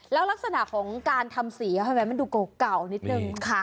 แล้วลักษณะของการทำสีมันดูเก่าเก่านิดหนึ่งค่ะ